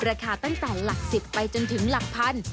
ราคาตั้งแต่หลักสิบไปจนถึงหลักพัน